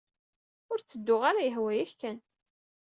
Ur ttedduɣ ara yehwa-yak-kan!